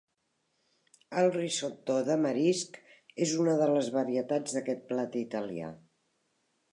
El risotto de marisc és una de les varietats d'aquest plat italià.